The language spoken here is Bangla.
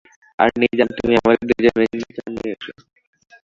আর নিজাম, তুমি আমাদের দু জনের জন্যে চা নিয়ে এস।